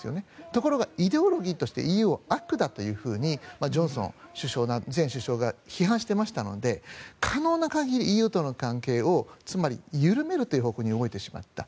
ところがイデオロギーとしてＥＵを悪だというふうにジョンソン前首相が批判していましたので可能な限りＥＵとの関係をつまり緩めるという方向に動いてしまった。